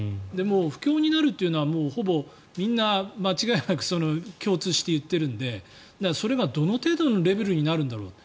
不況になるというのはほぼみんな間違いなく共通して言ってるのでそれがどの程度のレベルになるんだろうと。